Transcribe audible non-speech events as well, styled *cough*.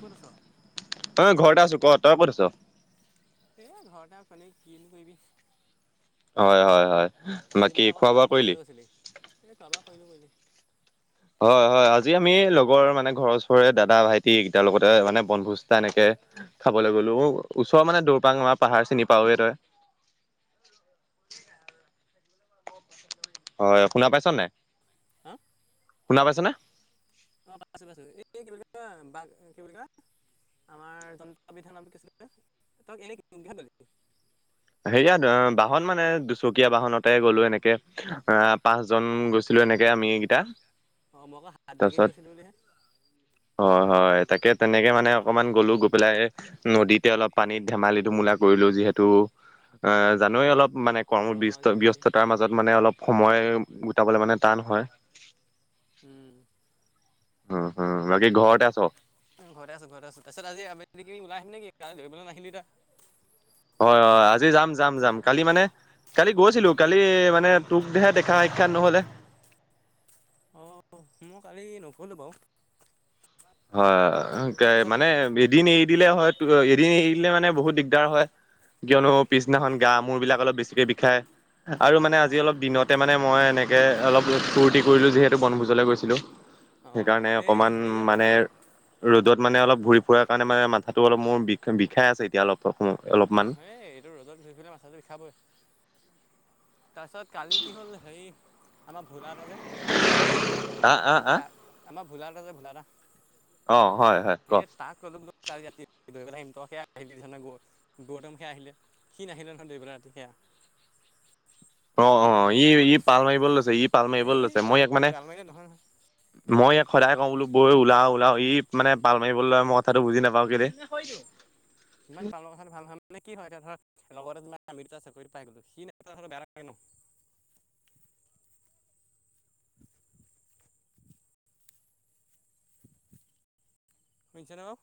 ক'ত আছ? অ ঘৰতে আছো ক তই ক'ত আছ? এ ঘৰতে এনেই কিনো কৰিবি। হয় হয় হয়। আজি বাকী মানে আকৌ খোৱা বোৱা কৰবাত কৰিলি? ফুৰিবলৈ গৈছিলি এ খোৱা বোৱা কৰিলো কৰিলো। হয় হয় আজি আমি লগৰ মানে ঘৰৰ ওচৰৰে দাদা ভাইটি কেইটাৰ লগতে মানে বনভোজা এনেকে। খাবলৈ গলো ওচৰৰ মানে দৌৰপাং আমাৰ পাহাৰ চিনি পাওৱে তই। *inaudible* হয় শুনা পাইছ নাই? হা শুনা পাইছেনে? অ পাইছো পাইছো এই কি বুলি কয়, কি বুলি কয়। আমাৰ জনতা বিধান নামটো কি আছিলে তই এনে কিহত গলি? হেয়াত বাহন মানে দুচকীয়া বাহনতে গ'লো এনেকে আহ পাঁচ জন গৈছিলো। এনেকে আমি এইকেইটা। অ মই আকৌ হাত বাকীত তাৰপিছত গৈছিলো বুলিহে। হয় হয় তাকে তেনেকে মানে অকনমান গ'লো গৈ পেলাই নদীতে অলপ পানীত ধেমালিটো মোলা কৰি। যিহেতু অ জানোৱে অলপ মানে গৰম আৰু কৰ্মস্ত যি পৰিছে। ব্যস্ততাৰ মাজত মানে অলপ সময়। বুজাবলে মানে টান হয়। উম। উম হম বাকি ঘৰতে আছ। উ ঘৰ আছো ঘৰত আছো তাৰপিছত আজি আবেলি ওলাই আহিম নে কি কালি দৌৰিবলে নাহিলি তই হয় হয় আজি যাম যাম যাম কালি মানে কালি গৈছিলো কালি মানে তোকহে দেখা। নহ'লে আহ মই কালি নক'লো বাৰু হয় তাৰপিছত মানে হেৰি এদিন এৰি দিলে হয় এদিন এৰি দিলে মানে বহুত দিগদাৰ হয়। উম কিয়নো পিছদিনাখন গা মূৰ বিলিলাক অলপ বেছিকে বিষায় আৰু অ মানে আজি অলপ দিনতে মানে মই এনেক অলপ ফূৰ্তি কৰিলোঁ যিহেতু বনভোজ গৈছিলো, অ সেইকাৰণে এই অকমান হেৰি আকৌ মানে ৰ'দত মানে অলপ ঘুৰি ফুাৰ কাৰণে মানে মাথাটো অলপ মোৰ বি বিষাই আছে এতিয়া অলপ। অ অলপমান। সেই এইটো ৰ'দত ঘুই পেলাই মাথাটো বিখাবয়ে। তাৰপিছত কালি কি হ'ল হেই আমাৰ ভোলাত তাজে আহ আহ এই আহ তা আমাৰ ভোলাদা যে ভোলাদা। অ হয় হয় ক কালি ৰাতি গৈ পিনে ইনিতক্ষে হেৰি ডিচিছন লৈ গ গৌতম হে আহিলে, হি নাহিলে নহয় দৌৰিবলৈ ৰাতি সেইয়া। *inaudible* অ অ ই ই পাল মাৰিবলৈ লৈছে ই পাল এই মাৰিবলৈ লৈছে, মই পাল ইয়াক মানে পাল মাৰিলে নহয় নহয় মই ইয়াক সদায় কওঁ বোলো বৈ ওলাও ওলাও ই মানে পাল মাৰিবলৈ মই কথাটো বুজি নাপাওঁ কেলে ইমান পাল মৰা কথা ভাল নহয় মানে কি হয় ধৰক লগতে মানে আমি দুটা চাকৰি টো পাই গলো, সি নেপালে বেয়া লাগে ন *unintelligible* শুনিছে নে মোক